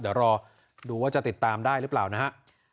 เดี๋ยวรอดูว่าจะติดตามได้หรือเปล่านะฮะ